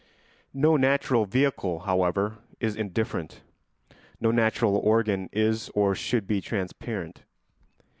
] No natural vehicle, however, is indifferent; no natural organ is or should be transparent.